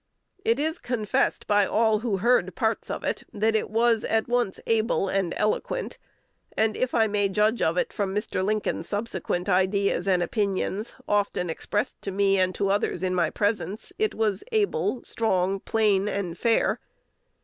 It is confessed by all who heard parts of it, that it was at once able and eloquent; and, if I may judge of it from Mr. Lincoln's subsequent ideas and opinions, often expressed to me and to others in my presence, it was able, strong, plain, and fair.